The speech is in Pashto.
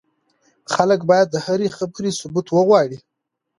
خلک بايد د هرې خبرې ثبوت وغواړي.